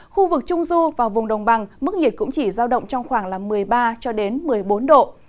khu vực trung du và vùng đồng bằng mức nhiệt cũng chỉ giao động trong khoảng một mươi ba một mươi bốn độ